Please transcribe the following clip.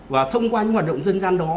và thông qua những hoạt động dân gian đó